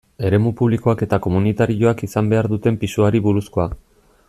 Eremu publikoak eta komunitarioak izan behar duten pisuari buruzkoa.